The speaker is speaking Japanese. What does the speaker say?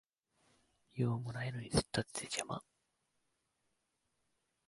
用もないのに突っ立ってて邪魔